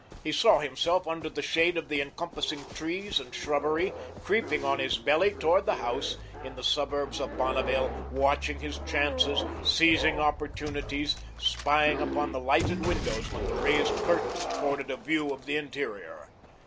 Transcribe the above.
He saw himself under the shade of the encompassing trees and shrubbery, creeping on his belly toward the house, in the suburbs of Bonneville, watching his chances, seizing opportunities, spying upon the lighted windows where the raised curtains afforded a view of the interior.